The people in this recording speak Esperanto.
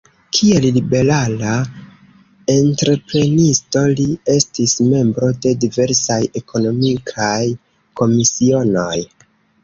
Kiel liberala entreprenisto li estis membro de diversaj ekonomikaj komisionoj.